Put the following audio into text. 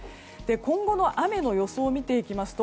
今後の雨の予想を見ていきますと